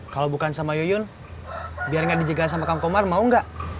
kalau bukan sama yuyun biar nggak dijegal sama kang komar mau gak